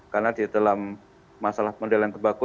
karena di dalam masalah pengendalian tembako